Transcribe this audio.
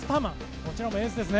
こちらもエースです。